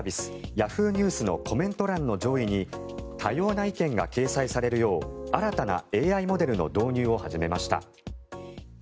Ｙａｈｏｏ！ニュースのコメント欄の上位に多様な意見が掲載されるよう新たなＡＩモデルの導入を始めました。